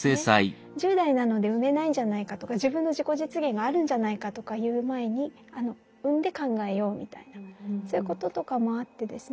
１０代なので産めないんじゃないかとか自分の自己実現があるんじゃないかとかいう前に産んで考えようみたいなそういうこととかもあってですね